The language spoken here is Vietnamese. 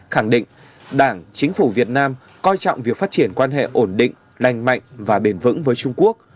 khẳng định đảng chính phủ việt nam coi trọng việc phát triển quan hệ ổn định lành mạnh và bền vững với trung quốc